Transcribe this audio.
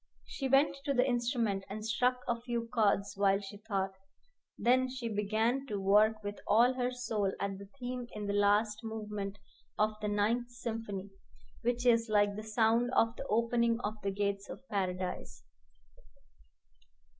She went to the instrument and struck a few chords while she thought. Then she began to work with all her soul at the theme in the last movement of the Ninth Symphony which is like the sound of the opening of the gates of Paradise.